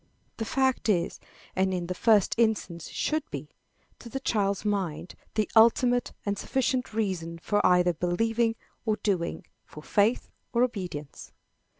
That fact is, and in the first instance it should be, to the child's mind, the ultimate and sufficient reason for either believing or doing for faith or obedience.